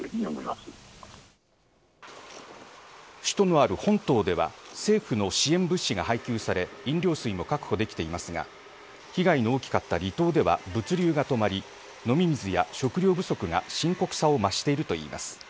首都がある本島では政府の支援物資が配給され飲料水も確保できていますが被害の大きかった離島では物流が止まり飲み水や食料不足が深刻さを増しているといいます。